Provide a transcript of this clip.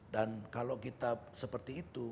dan kalau kita seperti itu